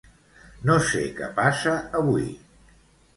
No sé què passa avui.